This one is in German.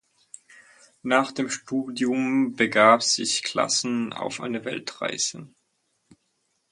Nach dem Studium begab sich Classen auf eine Weltreise.